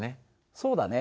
そうだね。